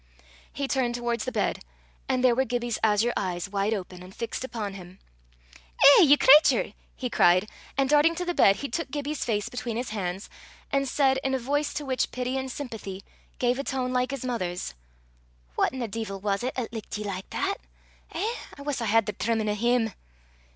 He turned towards the bed, and there were Gibbie's azure eyes wide open and fixed upon him. "Eh, ye cratur!" he cried; and darting to the bed, he took Gibbie's face between his hands, and said, in a voice to which pity and sympathy gave a tone like his mother's, "Whaten a deevil was 't 'at lickit ye like that? Eh! I wuss I had the trimmin' o' him!"